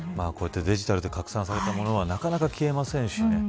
デジタルで拡散されたものはなかなか消えませんしね。